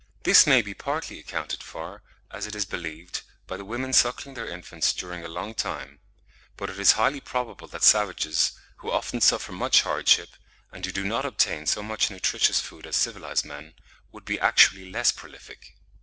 This may be partly accounted for, as it is believed, by the women suckling their infants during a long time; but it is highly probable that savages, who often suffer much hardship, and who do not obtain so much nutritious food as civilised men, would be actually less prolific.